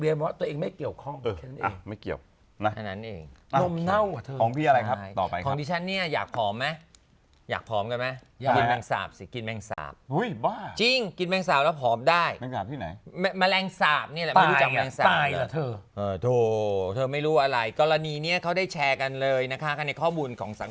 อุ้ยก็คนไม่แตกตื่นเหรอวะ